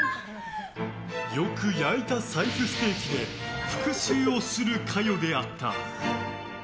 よく焼いた財布ステーキで復讐をする香世であった。